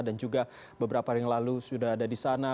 dan juga beberapa hari yang lalu sudah ada di sana